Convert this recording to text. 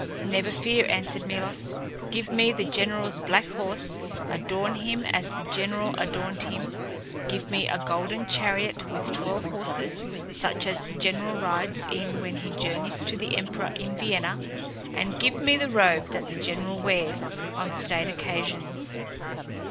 "Never fear," answered Milos. "Give me the general's black horse; adorn him as the general adorned him; give me a golden chariot with twelve horses, such as the general rides in when he journeys to the emperor in Vienna; and give me the robe that the general wears on state occasions."